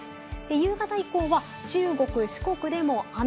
夕方以降は中国、四国でも雨。